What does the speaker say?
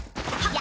や。